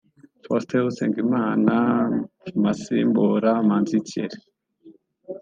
Faustin Usengimana fmasimbura Manzi Thierry